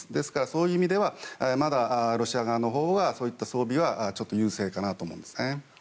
そういう意味ではまだロシア側のほうがそういった装備は優勢かな思うんですね。